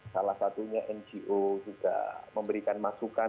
salah satunya ngo juga memberikan masukan